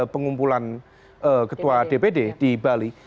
pengumpulan ketua dpd di bali